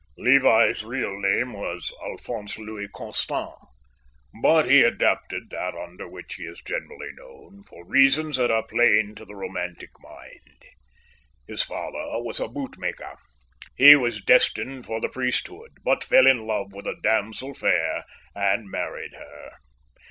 "Levi's real name was Alphonse Louis Constant, but he adopted that under which he is generally known for reasons that are plain to the romantic mind. His father was a bootmaker. He was destined for the priesthood, but fell in love with a damsel fair and married her.